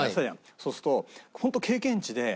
そうすると本当経験値で。